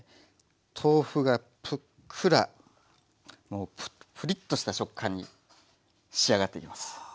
豆腐がぷっくらプリッとした食感に仕上がっていきます。